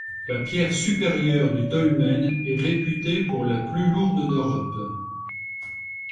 La pierre supérieure du dolmen est réputée pour la plus lourde d'Europe.